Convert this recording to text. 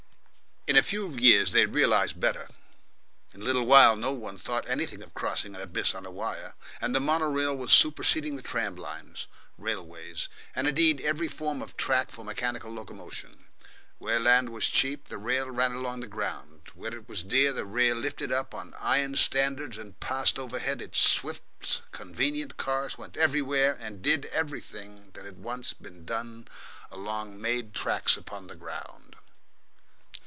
In a few, years they realised better. In a little while no one thought anything of crossing an abyss on a wire, and the mono rail was superseding the tram lines, railways: and indeed every form of track for mechanical locomotion. Where land was cheap the rail ran along the ground, where it was dear the rail lifted up on iron standards and passed overhead; its swift, convenient cars went everywhere and did everything that had once been done along made tracks upon the ground.